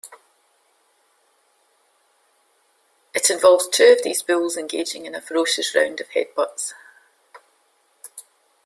It involves two of these bulls engaging in a ferocious round of headbutts.